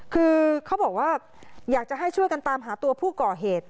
คือเขาบอกว่าอยากจะให้ช่วยกันตามหาตัวผู้ก่อเหตุ